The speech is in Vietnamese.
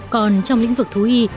còn trong lĩnh vực thú y